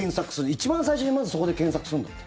一番最初にまずそこで検索するんだって。